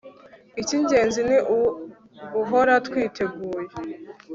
ikigenzi ni uguhora twiteguye